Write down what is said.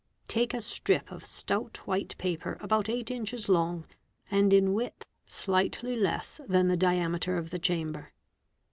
=© Mig. 52. Take a strip of stout white paper about eight inches long and in width slightly less than the diameter of the chamber.